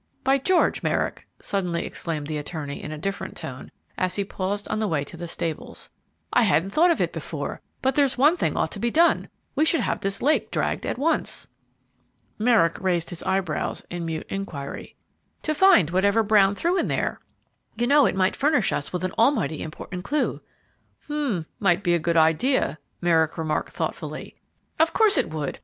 By George, Merrick!" suddenly exclaimed the attorney in a different tone, as he paused on the way to the stables. "I hadn't thought of it before, but there's one thing ought to be done; we should have this lake dragged at once." Merrick raised his eyebrows in mute inquiry. "To find whatever Brown threw in there, you know; it might furnish us with an almighty important clue." "H'm! might be a good idea," Merrick remarked, thoughtfully. "Of course it would!